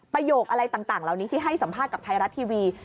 โยคอะไรต่างเหล่านี้ที่ให้สัมภาษณ์กับไทยรัฐทีวี